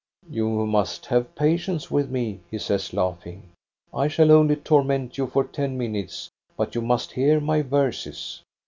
"You must have patience with me,'* he says, laughing. " I shall only torment you for ten min utes; but you must hear my verses."